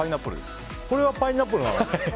それはパイナップルです。